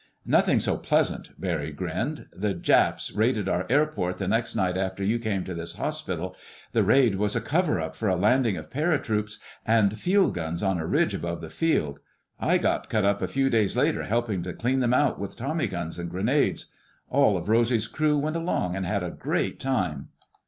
"Nothing so pleasant," Barry grinned. "The Japs raided our airport the next night after you came to this hospital. The raid was a cover up for a landing of paratroops and field guns on a ridge above the field. I got cut up a few days later helping to clean them out with tommy guns and grenades. All of Rosy's crew went along and had a great time."